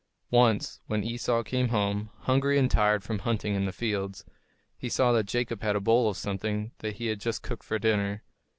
Once, when Esau came home, hungry and tired from hunting in the fields, he saw that Jacob had a bowl of something that he had just cooked for dinner.